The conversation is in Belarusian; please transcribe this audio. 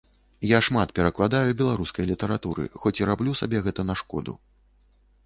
Я шмат перакладаю беларускай літаратуры, хоць і раблю сабе гэта на шкоду.